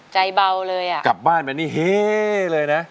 ใจเบาเลยอะ